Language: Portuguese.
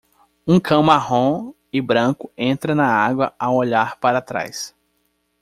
Um cão marrom e branco entra na água ao olhar para trás.